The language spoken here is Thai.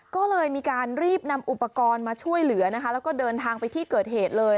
ก็เลยมีการรีบนำอุปกรณ์มาช่วยเหลือนะคะแล้วก็เดินทางไปที่เกิดเหตุเลย